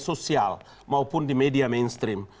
sosial maupun di media mainstream